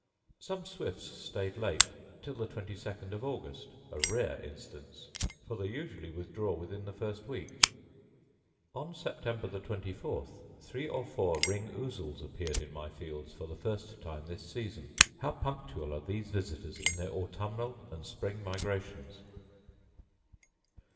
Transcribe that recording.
Some swifts staid late, till the twenty second of August —a rare instance! for they usually withdraw within the first week.* * See Letter LIII to Mr. Barrington. On September the twenty fourth three or four ring ousels appeared in my fields for the first time this season: how punctual are these visitors in their autumns and spring migrations!